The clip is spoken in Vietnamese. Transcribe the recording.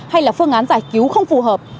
hay là phương án giải cứu không phù hợp